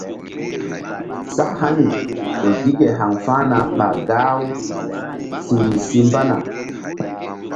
Sak hani ƴo gi ke haŋ fa̧hna ɓa gah u siri si mbana.